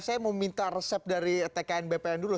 saya mau minta resep dari tkn bpn dulu